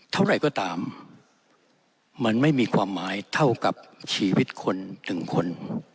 เท่าไหร่ก็ตามมันไม่มีความหมายเท่ากับชีวิตคนหนึ่งคน